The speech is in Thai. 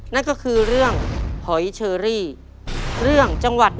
นั่นก็คือเรื่อง